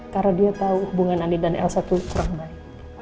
karena dia tahu hubungan andin dan elsa itu kurang baik